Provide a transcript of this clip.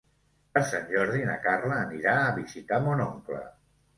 Per Sant Jordi na Carla anirà a visitar mon oncle.